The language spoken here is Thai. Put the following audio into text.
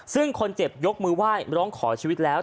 ซึ่งคนเจ็บยกมือไหว้ร้องขอชีวิตแล้ว